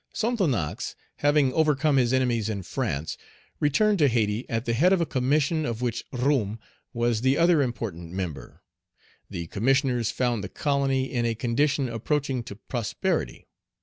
Sonthonax, having overcome his enemies in France, returned to Hayti, at the head of a commission of which Roume was the other important member. The Commissioners found the colony in a condition approaching to prosperity.